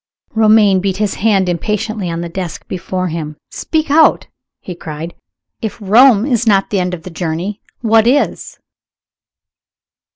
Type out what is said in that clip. Romayne beat his hand impatiently on the desk before him. "Speak out!" he cried. "If Rome is not the end of the journey what is?"